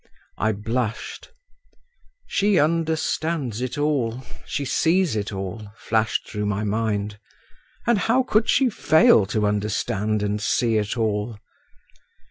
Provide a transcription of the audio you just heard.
I blushed … "She understands it all, she sees all," flashed through my mind. "And how could she fail to understand and see it all?"